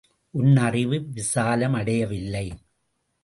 உன் அறிவு விசாலமடையவில்லை.